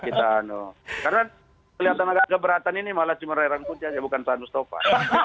karena kelihatan agak keberatan ini malah cuma rerang kuti aja bukan saan mustafa